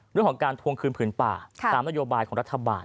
เรื่องของการทวงคืนผืนป่าตามนโยบายของรัฐบาล